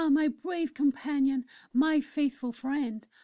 my brave companion! My faithful friend!